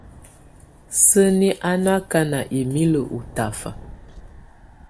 Sǝ́ni á nɔ́ ákána imilǝ́ ú tafa.